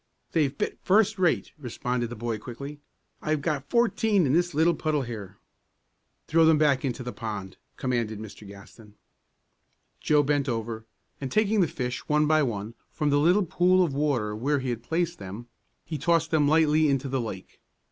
"They've bit first rate," responded the boy, quickly. "I've got fourteen in this little puddle here." "Throw them back into the pond," commanded Mr. Gaston. Joe bent over, and taking the fish one by one from the little pool of water where he had placed them, he tossed them lightly into the lake.